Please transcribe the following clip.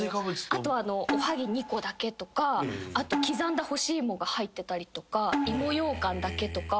あとおはぎ２個だけとかあと刻んだ干し芋が入ってたりとか芋ようかんだけとか。